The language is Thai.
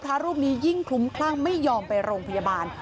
พระรกษ์นี้ยิ่งถุงคลั่งไม่ยอมไปโรงพยาบาล